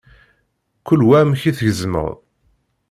Kul wa amek i t-tgezmeḍ.